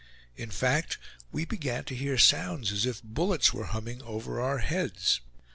In fact, we began to hear sounds as if bullets were humming over our heads.